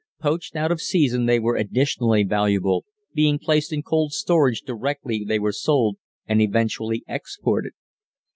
Poached out of season they were additionally valuable, being placed in cold storage directly they were sold, and eventually exported.